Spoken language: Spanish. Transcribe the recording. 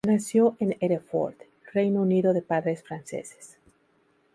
Nació en Hereford, Reino Unido de padres franceses.